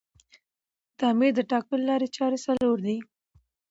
د امیر د ټاکلو لاري چاري څلور دي.